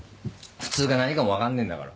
普通が何かも分かんねえんだから。